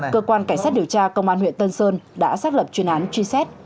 cơ quan cảnh sát điều tra công an huyện tân sơn đã xác lập chuyên án truy xét